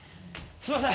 すいません。